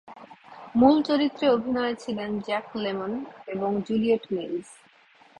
মূল চরিত্রে অভিনয়ে ছিলেন জ্যাক লেমন এবং জুলিয়েট মিলস।